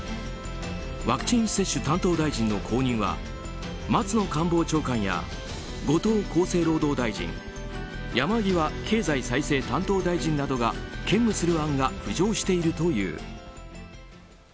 ワクチン接種担当大臣の後任は松野官房長官や後藤厚生労働大臣山際経済再生担当大臣などが兼務する案が浮上しているという。